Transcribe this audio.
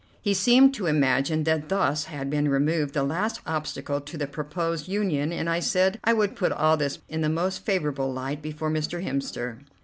He seemed to imagine that thus had been removed the last obstacle to the proposed union, and I said I would put all this in the most favourable light before Mr. Hemster.